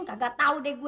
kagak tau deh gue